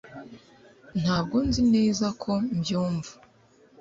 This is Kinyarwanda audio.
Ntabwo nzi neza ko mbyumva